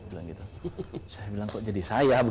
saya bilang kok jadi saya